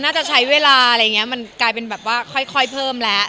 น่าจะใช้เวลาอะไรอย่างนี้มันกลายเป็นแบบว่าค่อยเพิ่มแล้ว